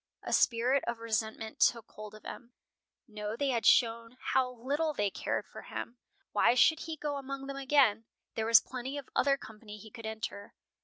A spirit of resentment took hold of him. No, they had shown how little they cared for him. Why should he go among them again? There was plenty of other company he could enter.